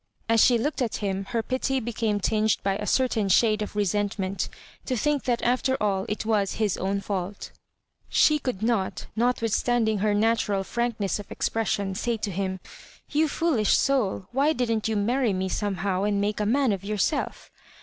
As she looked at him her pity became tinged by a certain shade of resentment, to think that after all it was his own fault She could not, notwithstanding her natural frankness of expression, say to him —" You foolish soul, why didn't you marry me somehow, and make a man of yourself?"